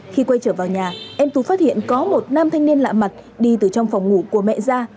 khi quay trở vào nhà em tú phát hiện có một nam thanh niên lạ mặt đi từ trong phòng ngủ của mẹ ra